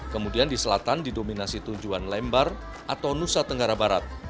kemudian di selatan didominasi tujuan lembar atau nusa tenggara barat